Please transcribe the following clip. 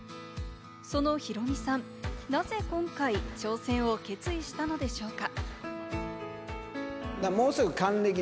そのヒロミさん、なぜ今回、挑戦を決意したのでしょうか？